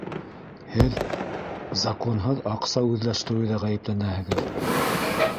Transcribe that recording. -Һеҙ законһыҙ аҡса үҙләштереүҙә ғәйепләнәһегеҙ!